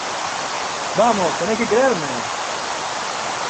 Vamos, tenéis que creerme.